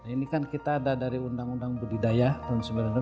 ini kan kita ada dari undang undang budidaya tahun seribu sembilan ratus sembilan puluh